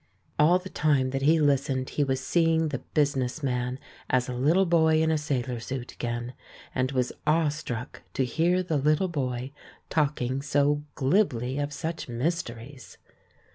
All the time that he listened he was seeing the business man as a little boy in a sailor suit again, and was awestruck to hear the little boy talking so glibly of such mysteries.